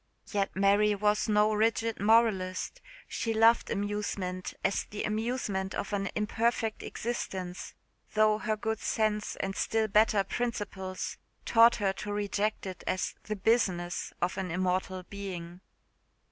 Yet Mary was no rigid moralist. She loved amusement as the amusement of an imperfect existence, though her good sense and still better principles taught her to reject it as the business of an immortal being.